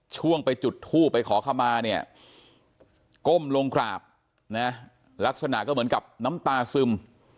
ช่วงไปจุดทูบไปขอเข้ามาเนี่ยก้มลงกราบนะลักษณะก็เหมือนกับน้ำตาซึม